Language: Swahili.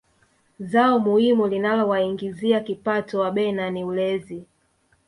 zao muhimu linalowaingizia kipato wabena ni ulezi